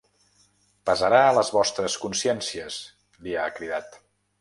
Pesarà a les vostres consciències, li ha cridat.